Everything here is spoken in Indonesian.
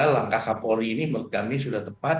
maka langkah kapoli ini menurut kami sudah tepat